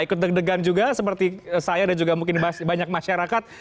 ikut deg degan juga seperti saya dan juga mungkin banyak masyarakat